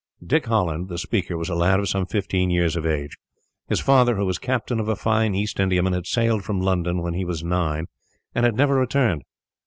Dick Holland, the speaker, was a lad of some fifteen years of age. His father, who was captain of a fine East Indiaman, had sailed from London when he was nine, and had never returned.